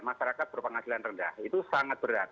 masyarakat berpenghasilan rendah itu sangat berat